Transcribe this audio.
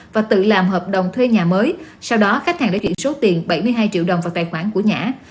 và tự làm hợp đồng thuê nhà mới sau đó khách hàng đã chuyển số tiền bảy mươi hai triệu đồng vào tài khoản của nhã